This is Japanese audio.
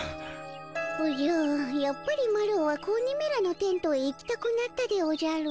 おじゃやっぱりマロは子鬼めらのテントへ行きたくなったでおじゃる。